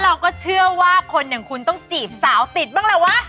เราก็เชื่อว่าคนอย่างคุณต้องจีบสาวติดบ้างแหละวะ